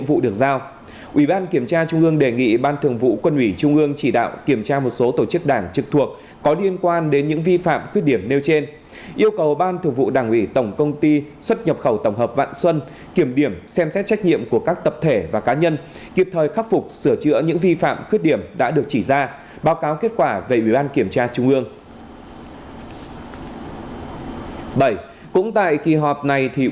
một mươi ba ủy ban kiểm tra trung ương đề nghị bộ chính trị ban bí thư xem xét thi hành kỷ luật ban thường vụ tỉnh bình thuận phó tổng kiểm toán nhà nước vì đã vi phạm trong chỉ đạo thanh tra giải quyết tố cáo và kiểm toán tại tỉnh bình thuận